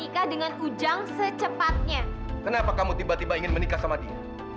kenapa kamu tiba tiba ingin menikah sama dia